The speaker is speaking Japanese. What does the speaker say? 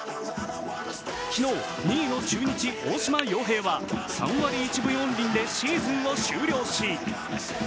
昨日、２位の中日・大島洋平は３割１分４厘でシーズンを終了。